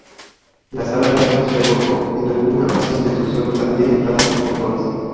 La Sala de Armas reportó en alguna ocasión destrucción total de entradas y portones.